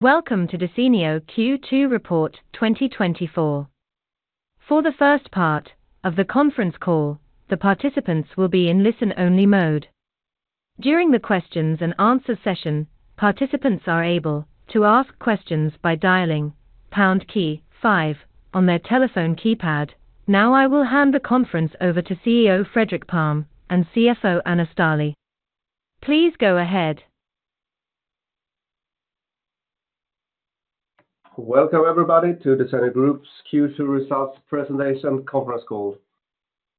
Welcome to Desenio Q2 Report 2024. For the first part of the conference call, the participants will be in listen-only mode. During the questions and answer session, participants are able to ask questions by dialing pound key five on their telephone keypad. Now, I will hand the conference over to CEO Fredrik Palm and CFO Anna Ståhle. Please go ahead. Welcome, everybody, to Desenio Group's Q2 results presentation conference call.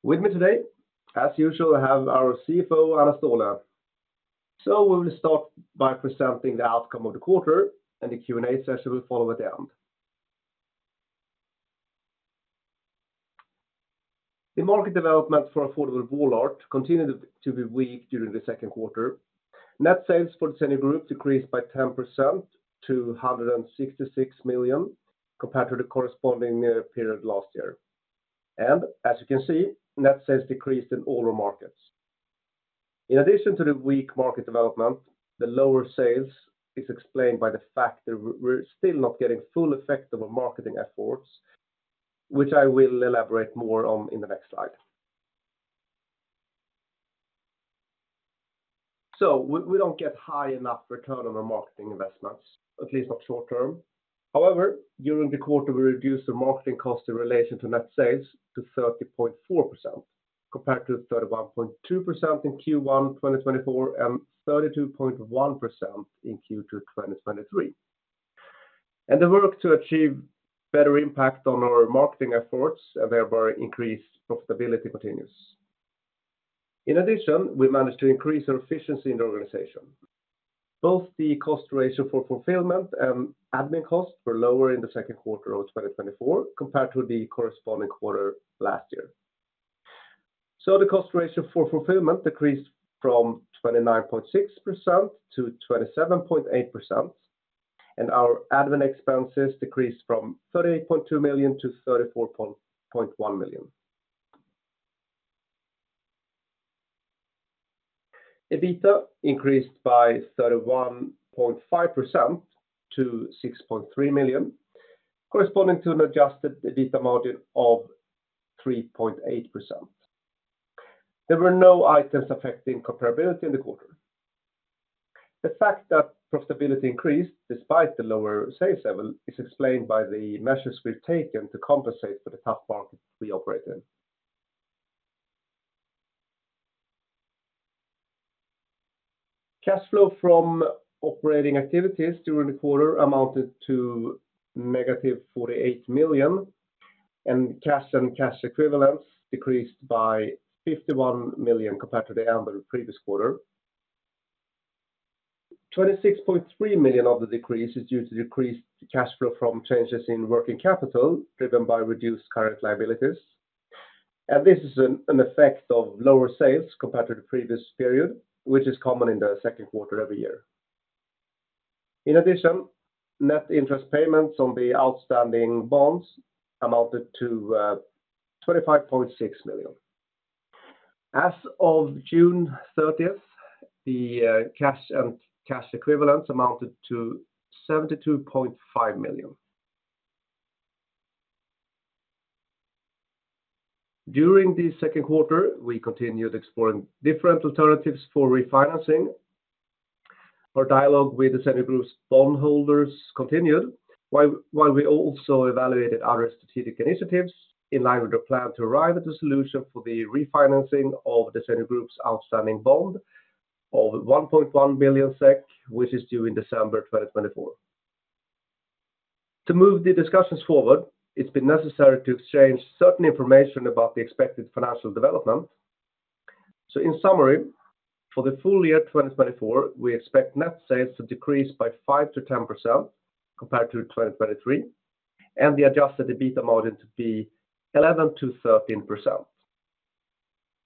With me today, as usual, I have our CFO, Anna Ståhle. We will start by presenting the outcome of the quarter, and the Q&A session will follow at the end. The market development for affordable wall art continued to be weak during the second quarter. Net sales for Desenio Group decreased by 10% to 166 million, compared to the corresponding period last year. As you can see, net sales decreased in all our markets. In addition to the weak market development, the lower sales is explained by the fact that we're still not getting full effect of our marketing efforts, which I will elaborate more on in the next slide. We don't get high enough return on our marketing investments, at least not short term. However, during the quarter, we reduced the marketing cost in relation to net sales to 30.4%, compared to 31.2% in Q1 2024, and 32.1% in Q2 2023. The work to achieve better impact on our marketing efforts, and thereby increase profitability continues. In addition, we managed to increase our efficiency in the organization. Both the cost ratio for fulfillment and admin costs were lower in the second quarter of 2024 compared to the corresponding quarter last year. The cost ratio for fulfillment decreased from 29.6% to 27.8%, and our admin expenses decreased from 38.2 million to 34.1 million. EBITDA increased by 31.5% to 6.3 million, corresponding to an adjusted EBITDA margin of 3.8%. There were no items affecting comparability in the quarter. The fact that profitability increased despite the lower sales level is explained by the measures we've taken to compensate for the tough market we operate in. Cash flow from operating activities during the quarter amounted to -48 million, and cash and cash equivalents decreased by 51 million compared to the end of the previous quarter. 26.3 million of the decrease is due to decreased cash flow from changes in working capital, driven by reduced current liabilities. This is an effect of lower sales compared to the previous period, which is common in the second quarter every year. In addition, net interest payments on the outstanding bonds amounted to 25.6 million. As of June thirtieth, the cash and cash equivalents amounted to SEK 72.5 million. During the second quarter, we continued exploring different alternatives for refinancing. Our dialogue with Desenio Group's bond holders continued, while we also evaluated other strategic initiatives in line with the plan to arrive at a solution for the refinancing of Desenio Group's outstanding bond of 1.1 billion SEK, which is due in December 2024. To move the discussions forward, it's been necessary to exchange certain information about the expected financial development. So in summary, for the full year 2024, we expect net sales to decrease by 5%-10% compared to 2023, and the Adjusted EBITDA margin to be 11%-13%.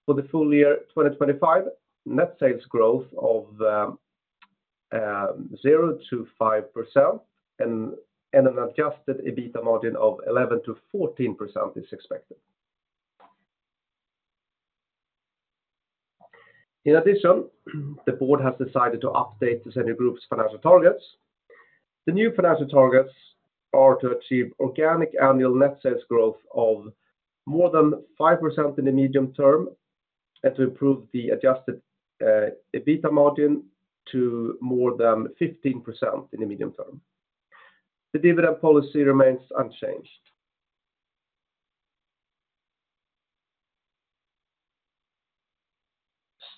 For the full year 2025, net sales growth of 0%-5% and an Adjusted EBITDA margin of 11%-14% is expected. In addition, the board has decided to update Desenio Group's financial targets. The new financial targets are to achieve organic annual net sales growth of more than 5% in the medium term, and to improve the adjusted EBITDA margin to more than 15% in the medium term. The dividend policy remains unchanged.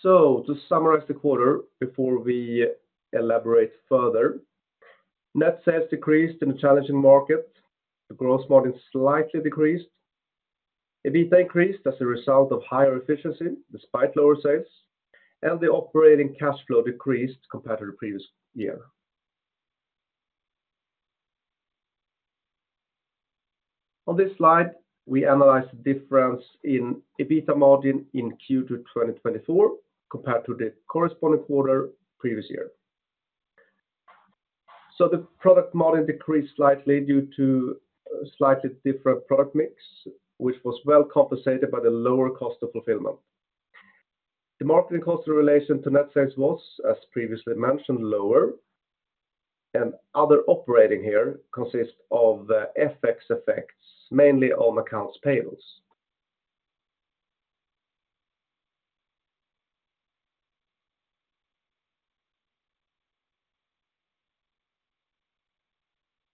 To summarize the quarter before we elaborate further, net sales decreased in a challenging market. The gross margin slightly decreased. EBITDA increased as a result of higher efficiency despite lower sales, and the operating cash flow decreased compared to the previous year. On this slide, we analyze the difference in EBITDA margin in Q2 2024 compared to the corresponding quarter previous year. The gross margin decreased slightly due to slightly different product mix, which was well compensated by the lower cost of fulfillment. The marketing cost in relation to net sales was, as previously mentioned, lower, and other operating here consists of FX effects, mainly on accounts payables.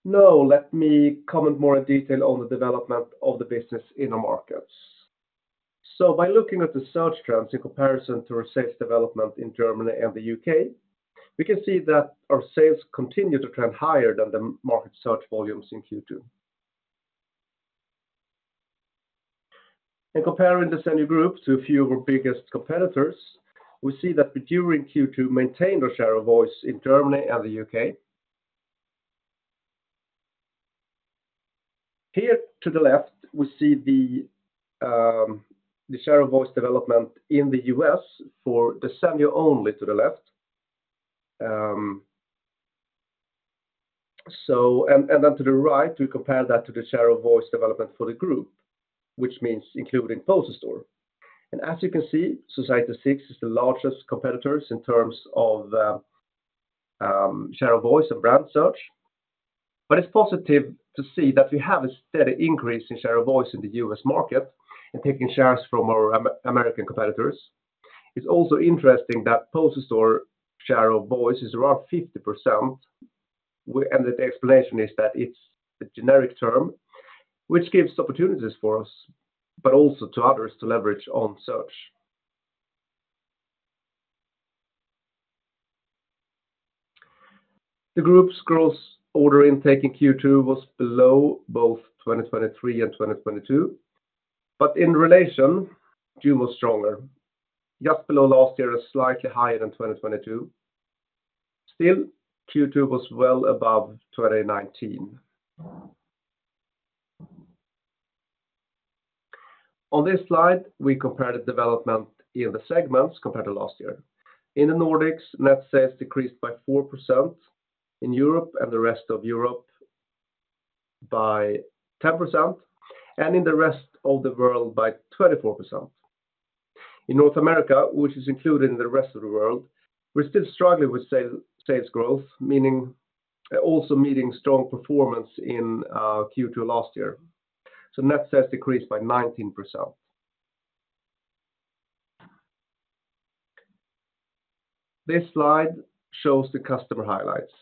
Now, let me comment more in detail on the development of the business in our markets. So by looking at the search trends in comparison to our sales development in Germany and the U.K, we can see that our sales continue to trend higher than the market search volumes in Q2. And comparing the Desenio Group to a few of our biggest competitors, we see that we, during Q2, maintained our share of voice in Germany and the U.K.. Here to the left, we see the share of voice development in the US for the Desenio only to the left. And then to the right, we compare that to the share of voice development for the group, which means including Poster Store. As you can see, Society6 is the largest competitors in terms of share of voice and brand search. But it's positive to see that we have a steady increase in share of voice in the U.S. market and taking shares from our American competitors. It's also interesting that Poster Store share of voice is around 50%, and the explanation is that it's a generic term, which gives opportunities for us, but also to others to leverage on search. The group's gross order intake in Q2 was below both 2023 and 2022, but in relation, Q was stronger, just below last year and slightly higher than 2022. Still, Q2 was well above 2019. On this slide, we compare the development in the segments compared to last year. In the Nordics, net sales decreased by 4%, in Europe and the rest of Europe by 10%, and in the rest of the world, by 24%. In North America, which is included in the rest of the world, we're still struggling with sales growth, meaning also meeting strong performance in Q2 last year. So net sales decreased by 19%. This slide shows the customer highlights.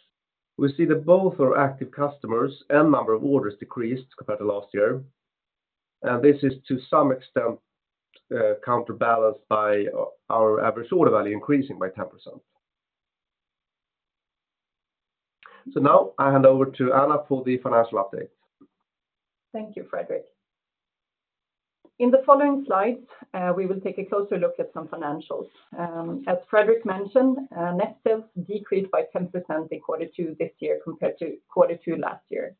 We see that both our active customers and number of orders decreased compared to last year, and this is to some extent counterbalanced by our average order value increasing by 10%. So now I hand over to Anna for the financial update. Thank you, Fredrik. In the following slides, we will take a closer look at some financials. As Fredrik mentioned, net sales decreased by 10% in quarter two this year compared to quarter two last year.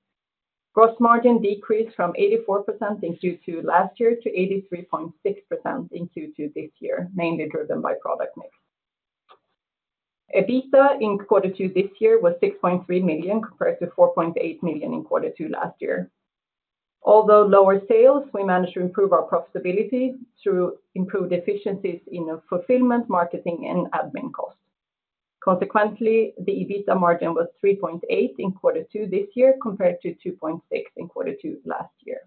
Gross margin decreased from 84% in Q2 last year to 83.6% in Q2 this year, mainly driven by product mix. EBITDA in quarter two this year was 6.3 million, compared to 4.8 million in quarter two last year. Although lower sales, we managed to improve our profitability through improved efficiencies in fulfillment, marketing, and admin costs. Consequently, the EBITDA margin was 3.8% in quarter two this year, compared to 2.6% in quarter two last year.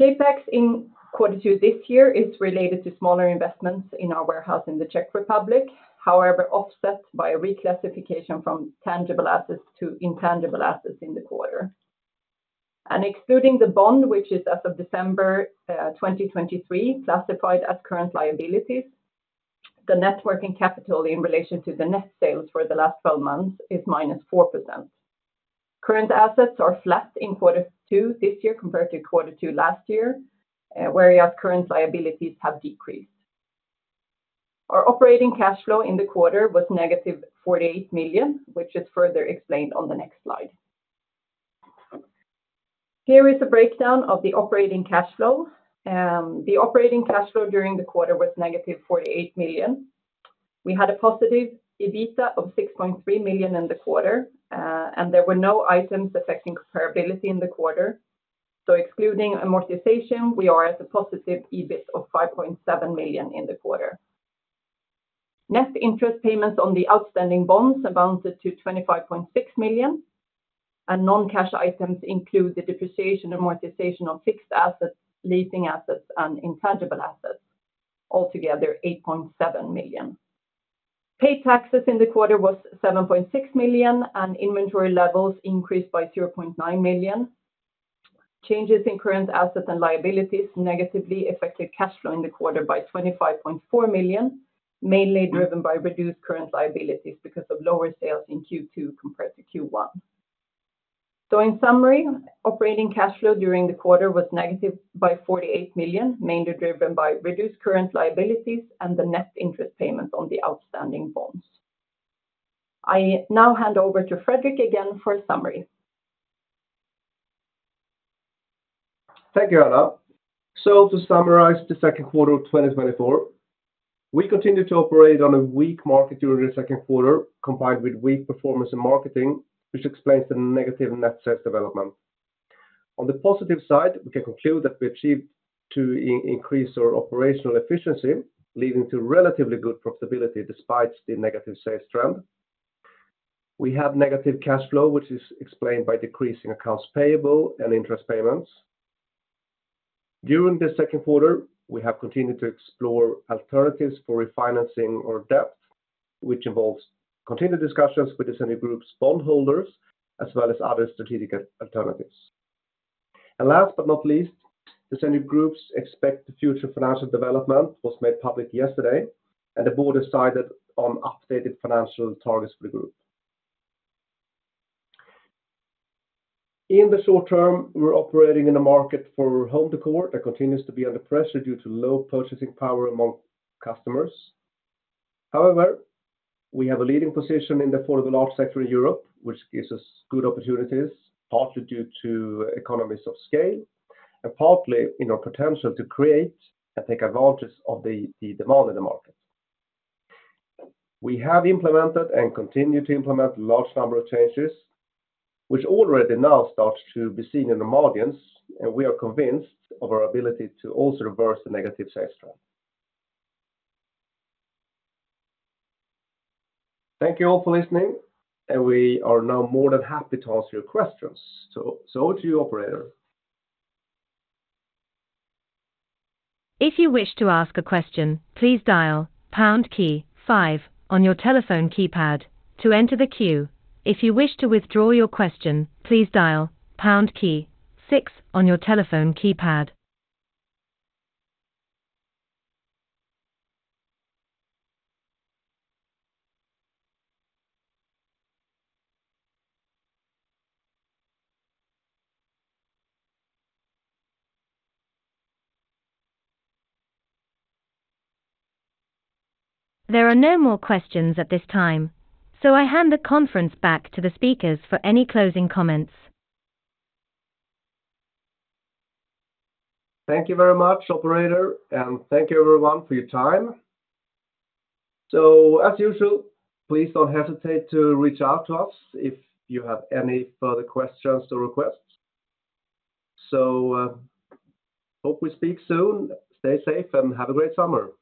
CapEx in quarter two this year is related to smaller investments in our warehouse in the Czech Republic, however, offset by a reclassification from tangible assets to intangible assets in the quarter. Excluding the bond, which is as of December 2023, classified as current liabilities, the net working capital in relation to the net sales for the last 12 months is -4%. Current assets are flat in quarter two this year compared to quarter two last year, whereas current liabilities have decreased. Our operating cash flow in the quarter was -48 million, which is further explained on the next slide. Here is a breakdown of the operating cash flow. The operating cash flow during the quarter was -48 million. We had a positive EBITDA of 6.3 million in the quarter, and there were no items affecting comparability in the quarter. So excluding amortization, we are at a positive EBIT of 5.7 million in the quarter. Net interest payments on the outstanding bonds amounted to 25.6 million, and non-cash items include the depreciation and amortization of fixed assets, leasing assets, and intangible assets, altogether 8.7 million. Paid taxes in the quarter was 7.6 million, and inventory levels increased by 0.9 million. Changes in current assets and liabilities negatively affected cash flow in the quarter by 25.4 million, mainly driven by reduced current liabilities because of lower sales in Q2 compared to Q1. In summary, operating cash flow during the quarter was negative by 48 million, mainly driven by reduced current liabilities and the net interest payments on the outstanding bonds. I now hand over to Fredrik again for a summary. Thank you, Anna. So to summarize the second quarter of 2024. We continued to operate on a weak market during the second quarter, combined with weak performance in marketing, which explains the negative net sales development. On the positive side, we can conclude that we achieved to increase our operational efficiency, leading to relatively good profitability despite the negative sales trend. We have negative cash flow, which is explained by decreasing accounts payable and interest payments. During the second quarter, we have continued to explore alternatives for refinancing our debt, which involves continued discussions with Desenio Group's bondholders, as well as other strategic alternatives. And last but not least, Desenio Group's expected future financial development was made public yesterday, and the board decided on updated financial targets for the group. In the short term, we're operating in a market for home decor that continues to be under pressure due to low purchasing power among customers. However, we have a leading position in the four of the large sector in Europe, which gives us good opportunities, partly due to economies of scale and partly in our potential to create and take advantage of the demand in the market. We have implemented and continue to implement a large number of changes, which already now starts to be seen in the margins, and we are convinced of our ability to also reverse the negative sales trend. Thank you all for listening, and we are now more than happy to answer your questions. So over to you, operator. If you wish to ask a question, please dial pound key five on your telephone keypad to enter the queue. If you wish to withdraw your question, please dial pound key six on your telephone keypad. There are no more questions at this time, so I hand the conference back to the speakers for any closing comments. Thank you very much, operator, and thank you, everyone, for your time. So as usual, please don't hesitate to reach out to us if you have any further questions or requests. So, hope we speak soon. Stay safe and have a great summer!